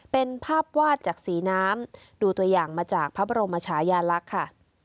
เป็นภาพวาดจากสีน้ำดูตัวอย่างมาจากพระบรมชายาลักษณ์ค่ะ